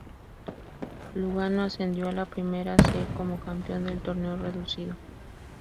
Lugano ascendió a la Primera C como campeón del Torneo Reducido.